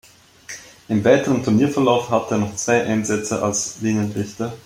Im weiteren Turnierverlauf hatte er noch zwei Einsätze als Linienrichter.